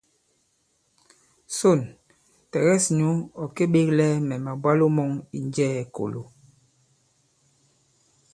Sôn, tɛ̀gɛs nyǔ ɔ̀ kê-beglɛ mɛ̀ màbwalo mɔ̄ŋ i Njɛɛ̄-Kōlo.